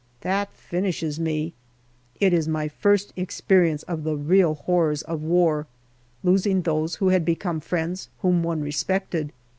That finishes me. It is my first ex perience of the real horrors of war losing those who had become friends, whom one respected.